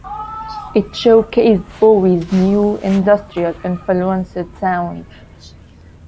It showcased Bowie's new, industrial-influenced sound.